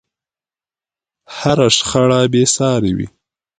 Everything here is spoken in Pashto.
هره شخړه بې سارې وي.